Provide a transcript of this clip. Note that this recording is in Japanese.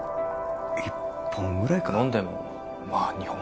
１本ぐらいか飲んでもまあ２本？